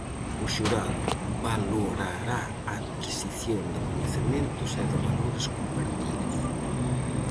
O xurado valorará a adquisición de coñecementos e de valores compartidos.